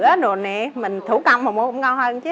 lửa nồi nè mình thủ công mà cũng ngon hơn chứ